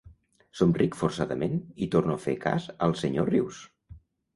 Somric forçadament i torno a fer cas al senyor Rius.